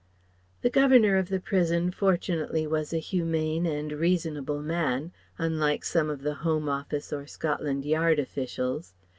The Governor of the prison fortunately was a humane and reasonable man unlike some of the Home Office or Scotland Yard officials.